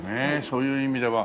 そういう意味では。